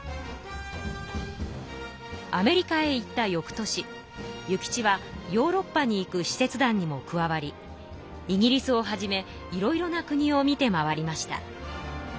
アメリカへ行ったよく年諭吉はヨーロッパに行く使節団にも加わりイギリスをはじめいろいろな国を見て回りました。